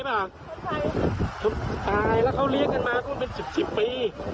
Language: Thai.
ตายแล้วเขาเรียกกันมาก็เป็น๑๐ปี